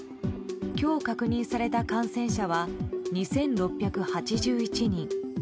今日確認された感染者は２６８１人。